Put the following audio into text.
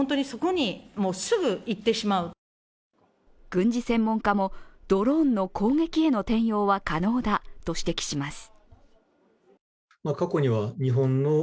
軍事専門家もドローンの攻撃への転用は可能だと指摘します。